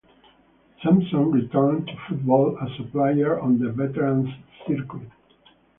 Sansom returned to football as a player on the veterans' circuit.